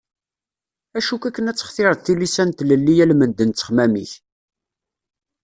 Acu-k akken ad textireḍ tilisa n tlelli almend n ttexmam-ik?